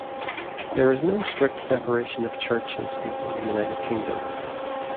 There is no strict separation of church and state in the United Kingdom.